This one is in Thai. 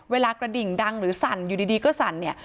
กระดิ่งดังหรือสั่นอยู่ดีก็สั่นเนี่ย